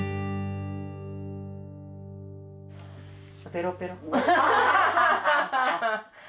ペロペロ。